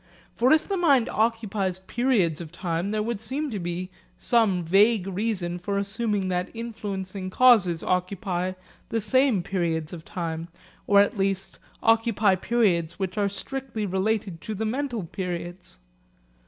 For if the mind occupies periods of time, there would seem to be some vague reason for assuming that influencing causes occupy the same periods of time, or at least, occupy periods which are strictly related to the mental periods.